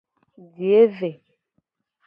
Biye ve.